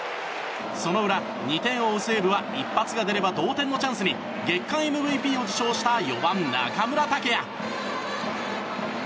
その裏、２点を追う西武は一発が出れば同点のチャンスに月間ＭＶＰを受賞した４番、中村剛也。